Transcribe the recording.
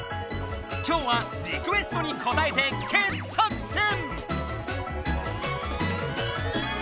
今日はリクエストにこたえて傑作選！